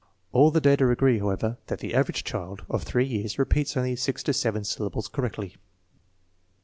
All the data agree, however, that the average child of 3 years repeats only six to seven syllables correctly.